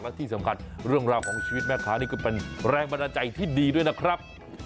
และที่สำคัญเรื่องราวของชีวิตแม่ค้านี่ก็เป็นแรงบันดาลใจที่ดีด้วยนะครับ